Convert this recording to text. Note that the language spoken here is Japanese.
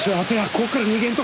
ここから逃げんと！